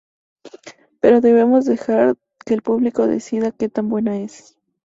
Pero debemos dejar que el público decida que tan buena es.